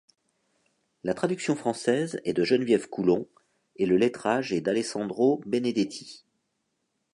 La traduction française est de Geneviève Coulomb et le lettrage est d'Alessandro Benedetti.